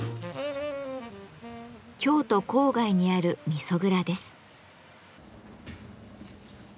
京都郊外にある味噌蔵です。